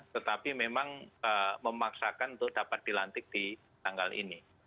tetapi memang memaksakan untuk dapat dilantik di tanggal ini